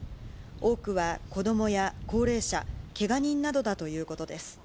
多くは子どもや高齢者、けが人などだということです。